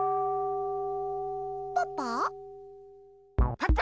パパ！